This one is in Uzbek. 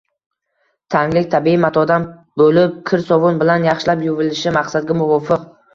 Taglik tabiiy matodan bo‘lib, kir sovun bilan yaxshilab yuvilishi maqsadga muvofiq.